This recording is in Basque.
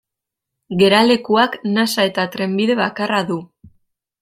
Geralekuak nasa eta trenbide bakarra du.